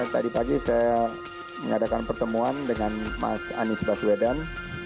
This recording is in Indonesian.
tadi pagi saya mengadakan pertemuan dengan mas anies baswedan